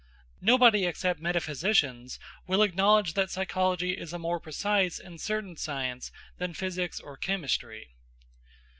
Nobody except metaphysicians will acknowledge that psychology is a more precise and certain science than physics or chemistry.